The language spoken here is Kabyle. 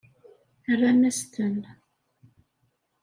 Rran-as-ten.